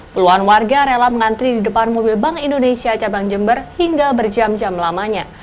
puluhan warga rela mengantri di depan mobil bank indonesia cabang jember hingga berjam jam lamanya